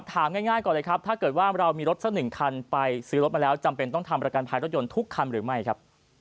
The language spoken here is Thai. ถามง่ายก่อนเลยครับถ้าเกิดว่าเรามีรถสักหนึ่งคันไปซื้อรถมาแล้วจำเป็นต้องทำประกันภัยรถยนต์ทุกคันหรือไม่ครับ